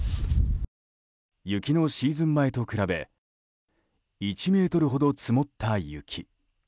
雪のシーズン前と比べ１ｍほど積もった雪。